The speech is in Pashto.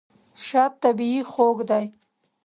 شات طبیعي خوږ دی.